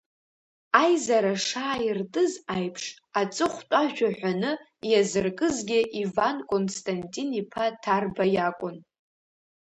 Аизара шааиртыз аиԥш, аҵыхәтәажәа ҳәаны иазыркызгьы Иван Константин-иԥа Ҭарба иакәын.